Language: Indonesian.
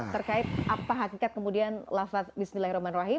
terkait apa hakikat kemudian lafat bismillahirrahmanirrahim